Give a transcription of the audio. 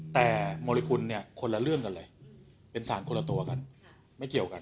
แต่มริคุณเนี่ยคนละเรื่องกันเลยเป็นสารคนละตัวกันไม่เกี่ยวกัน